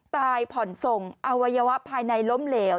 ผ่อนส่งอวัยวะภายในล้มเหลว